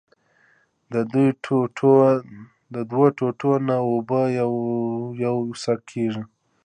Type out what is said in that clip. د دؤو ټوټو نه د اوبو يو يو څک کېږي